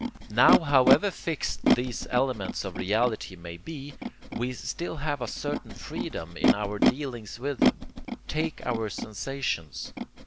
Now however fixed these elements of reality may be, we still have a certain freedom in our dealings with them. Take our sensations.